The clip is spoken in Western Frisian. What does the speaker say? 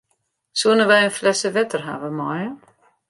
Soenen wy in flesse wetter hawwe meie?